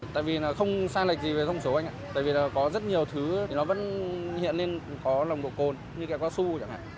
tại vì là không sai lệch gì về thông số anh ạ tại vì là có rất nhiều thứ thì nó vẫn hiện lên có nồng độ cồn như kẹ cao su chẳng hạn